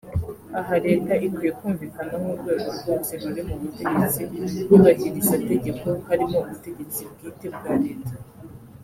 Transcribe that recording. Aha Leta ikwiye kumvikana nk’ urwego rwose ruri mu butegetsi Nyubahirizategeko harimo ubutegetsi bwite bwa Leta